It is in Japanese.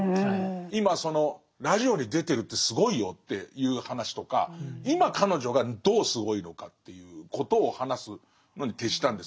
今そのラジオに出てるってすごいよっていう話とか今彼女がどうすごいのかっていうことを話すのに徹したんですけど